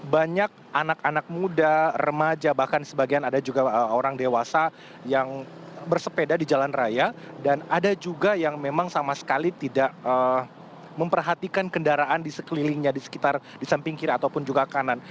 banyak anak anak muda remaja bahkan sebagian ada juga orang dewasa yang bersepeda di jalan raya dan ada juga yang memang sama sekali tidak memperhatikan kendaraan di sekelilingnya di sekitar di samping kiri ataupun juga kanan